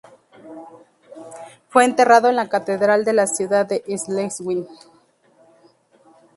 Fue enterrado en la catedral de la ciudad de Schleswig.